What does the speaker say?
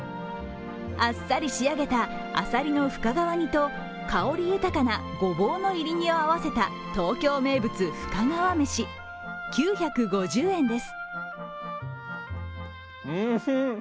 あっさり仕上げたあさりの深川煮と香り豊かな牛房の炒り煮を合わせた東京名物深川めし９５０円です。